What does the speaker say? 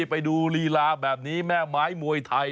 ไปดูลีลาแบบนี้แม่ไม้มวยไทย